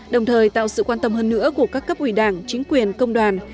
đồng thời tạo sự quan tâm hơn nữa của các cấp ủy đảng chính quyền công đoàn